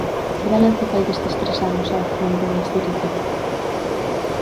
Que balance fai destes tres anos á fronte da institución?